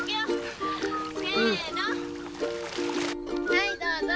はいどうぞ。